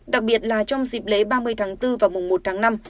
đặc biệt là trong dịp lễ ba mươi tháng bốn và mùng một tháng năm